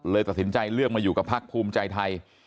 ตัดสินใจเลือกมาอยู่กับพักภูมิใจไทย